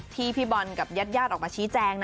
พี่บอลกับญาติออกมาชี้แจง